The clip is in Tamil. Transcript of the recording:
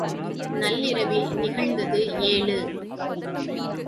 நள்ளிரவில் நிகழ்ந்தது ஏழு.